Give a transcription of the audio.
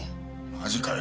マジかよ。